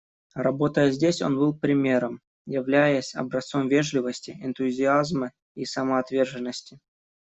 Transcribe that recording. Работая здесь, он был примером, являясь образцом вежливости, энтузиазма и самоотверженности.